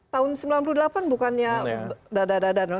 tahun sembilan puluh delapan bukannya dadah dadah